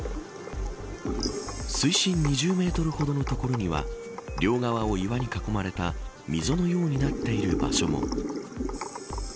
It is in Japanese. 水深２０メートルほどの所には両側を岩に囲まれた溝のようになっている場所も。